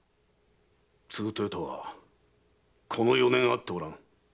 継豊とはこの四年会っておらぬ。